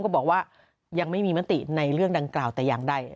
ก็บอกว่ายังไม่มีมัตติในเรื่องดังกราวตายังได้